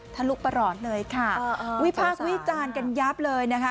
ทะลุประหลอดเลยค่ะวิพากษ์วิจารณ์กันยับเลยนะคะ